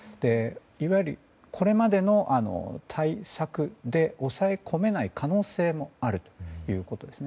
いわゆる、これまでの対策で抑え込めない可能性もあるということですね。